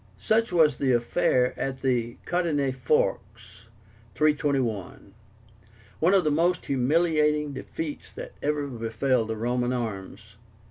Such was the affair at the Caudine Forks (321), one of the most humiliating defeats that ever befell the Roman arms.